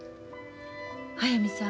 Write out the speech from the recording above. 速水さん